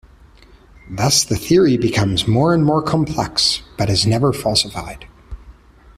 Thus the theory becomes more and more complex, but is never falsified.